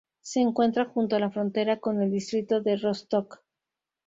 Se encuentra junto a la frontera con el distrito de Rostock.